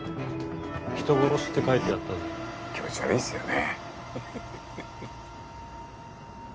人殺しって書いてあったぜ気持ち悪いっすよね